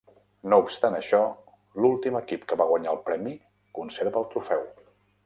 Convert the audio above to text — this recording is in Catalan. No obstant això, l'últim equip que va guanyar el premi conserva el trofeu.